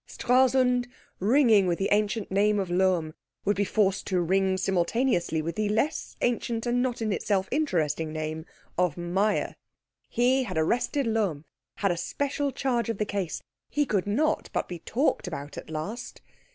Stralsund, ringing with the ancient name of Lohm, would be forced to ring simultaneously with the less ancient and not in itself interesting name of Meyer. He had arrested Lohm, he had special charge of the case, he could not but be talked about at last.